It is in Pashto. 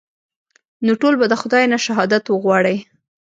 نو ټول به د خداى نه شهادت وغواړئ.